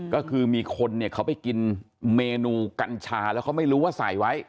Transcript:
ก็คือมีคนเนี่ยเขาไปกินเมนูกัญชาแล้วเขาไม่รู้ว่าใส่ไว้